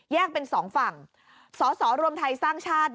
แยกเป็นสองฝั่ง